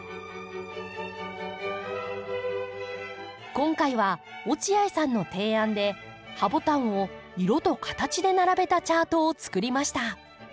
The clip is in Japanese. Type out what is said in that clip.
今回は落合さんの提案でハボタンを色と形で並べたチャートをつくりました。